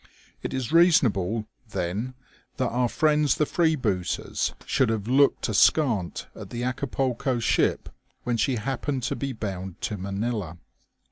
It is reasonable, then, that our friends the freebooters should have looked askant at the Acapulco ship when she happened to be bound to Manila.